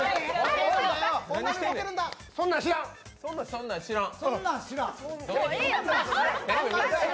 そんなん知らん！